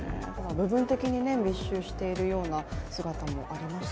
部分的に密集しているような姿もあります。